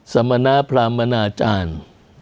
สมณพรามนาจารย์